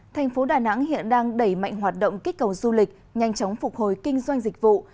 thành phố đà nẵng hiện đang đẩy mạnh hoạt động kích cầu du lịch nhanh chóng phục hồi kinh doanh dịch vụ